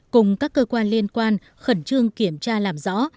cùng các cơ quan liên quan khẩn trương kiểm tra làm rõ